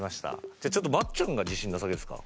じゃあちょっとまっちゃんが自信なさげですか？